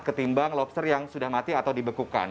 ketimbang lobster yang sudah mati atau dibekukan